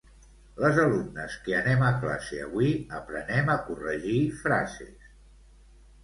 les alumnes que anem a classe avui, aprenem a corregir frases .